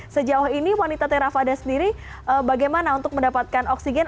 sejauh ini wanita terafada sendiri bagaimana untuk mendapatkan oksigen